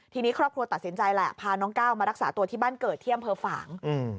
ทีนี้ครอบครัวตัดสินใจแหละพาน้องก้าวมารักษาตัวที่บ้านเกิดที่อำเภอฝาง